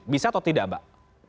bisa atau tidak mbak